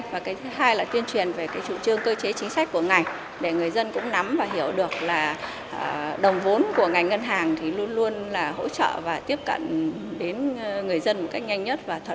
và đặc biệt là đẩy mạnh công tác tuyên truyền về những hệ lụy của vấn nạn tiến dụng đen